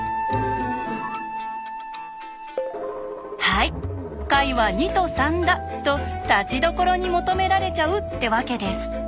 はい解は２と３だとたちどころに求められちゃうってわけです。